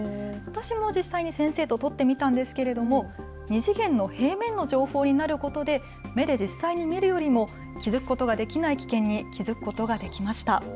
私も実際、先生と撮ってみたんですが、２次元の平面の情報になることで実際に見るよりも気付くことができない危険に気付くことができました。